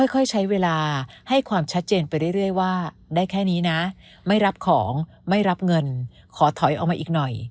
ค่อยใช้เวลาให้ความชัดเจนไปเรื่อยว่าได้แค่นี้นะไม่รับของไม่รับเงินขอถอยออกมาอีกหน่อย